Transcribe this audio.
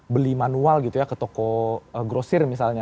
beli manual gitu ya ke toko grosir misalnya